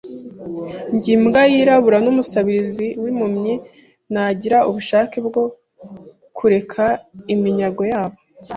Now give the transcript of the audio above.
njye, Imbwa Yirabura numusabirizi wimpumyi, nagira ubushake bwo kureka iminyago yabo